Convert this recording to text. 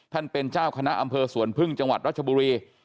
ท่านคนนะอำเภอสวนเพิ่งจังหวัดรัชบุรี